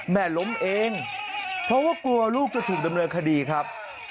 แม่ล้มเองเพราะว่ากลัวลูกจะถูกดำเนินคดีครับ